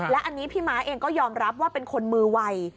และอันนี้พี่ม้าเองก็ยอมรับว่าเป็นคนมือไว